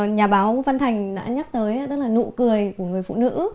nhà báo văn thành đã nhắc tới tức là nụ cười của người phụ nữ